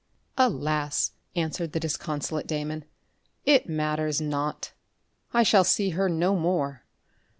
"Alas," answered the disconsolate Damon, "it matters not. I shall see her no more.